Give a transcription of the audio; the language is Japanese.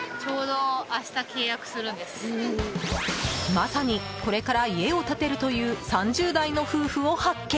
まさに、これから家を建てるという３０代の夫婦を発見。